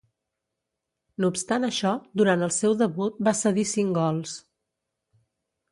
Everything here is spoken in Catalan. No obstant això, durant el seu debut va cedir cinc gols.